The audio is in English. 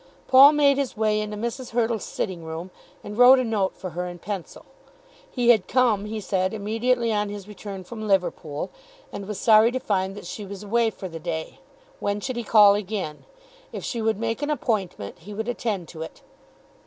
Paul made his way into Mrs. Hurtle's sitting room and wrote a note for her in pencil. He had come, he said, immediately on his return from Liverpool, and was sorry to find that she was away for the day. When should he call again? If she would make an appointment he would attend to it.